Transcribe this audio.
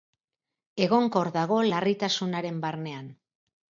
Egonkor dago, larritasunaren barnean.